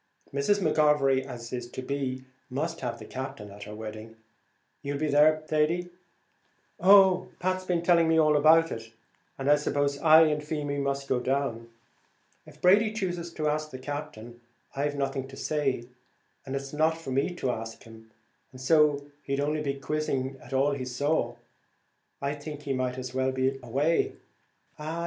Mrs. McGovery, as is to be, must have the Captain at her wedding; you'll be there, Thady?" "Oh, Pat's been telling me about it, and I suppose I and Feemy must go down. If Brady chooses to ask the Captain, I've nothing to say; it's not for me to ask him, and, as he'd only be quizzing at all he saw, I think he might as well be away." "Ah!